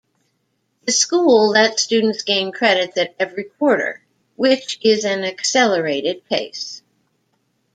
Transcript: The school lets students gain credits at every quarter, which is an accelerated pace.